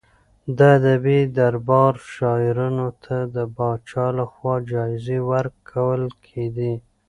د ادبي دربار شاعرانو ته د پاچا لخوا جايزې ورکول کېدې.